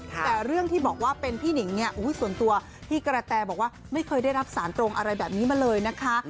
แต่เรื่องที่บอกว่าเป็นพี่หนิงเนี่ยส่วนตัวพี่กระแตบอกว่าไม่เคยได้รับสารตรงอะไรแบบนี้มาเลยนะคะ